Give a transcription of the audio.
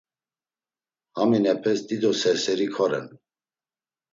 Haminepes dido serseri koren!